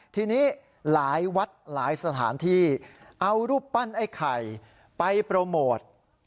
ทีนี้หลายวัดหลายสถานที่เอารูปปั้นไอ้ไข่ไปโปรโมท